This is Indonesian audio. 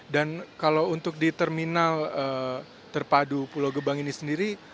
dan kalau untuk di terminal terpadu pulau gebang ini sendiri